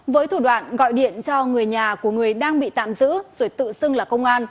với thủ đoạn gọi điện cho người nhà của người đang bị tạm giữ rồi tự xưng là công an